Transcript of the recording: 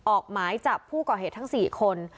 ออกหมายจับผู้ก่อเหตุทั้ง๔คน